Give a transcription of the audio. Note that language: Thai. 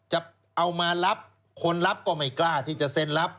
จะเอามารับคนรับก็ไม่กล้าที่จะเซ็นรับ